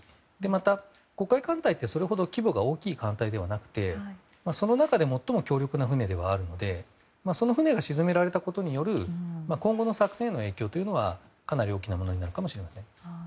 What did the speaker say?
また、黒海艦隊ってそれほど規模が大きい艦隊ではなくてその中で最も強力な船ではあるのでその船が沈められたことによる今後の作戦への影響はかなり大きなものになるかもしれません。